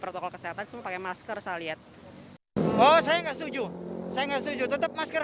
protokol kesehatan semua pakai masker saya lihat oh saya nggak setuju saya nggak setuju tetap masker